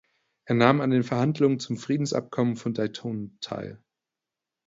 Er nahm an den Verhandlungen zum Friedensabkommen von Dayton teil.